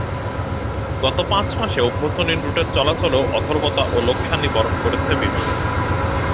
গত পাঁচ মাসে অভ্যন্তরীণ রুটের চলাচলেও অথর্বতা ও লোকসানি বরণ করেছে বিমান।